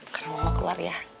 karena mama keluar ya